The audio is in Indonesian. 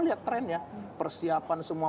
lihat trennya persiapan semua